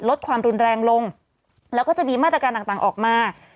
ลดความรุนแรงลงแล้วก็จะมีมาตรการต่างออกมา